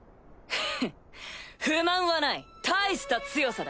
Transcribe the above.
フッ不満はない大した強さだ。